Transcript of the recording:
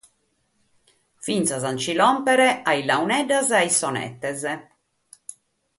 Finas a nche cròmpere a sas launeddas e a sos sonetes.